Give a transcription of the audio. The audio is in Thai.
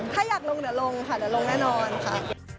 ถ้าอยากลงเดี๋ยวลงค่ะเดี๋ยวลงแน่นอนค่ะ